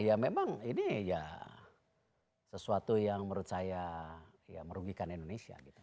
ya memang ini ya sesuatu yang menurut saya ya merugikan indonesia gitu